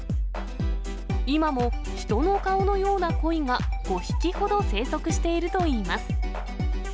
今も人の顔のようなこいが５匹ほど生息しているといいます。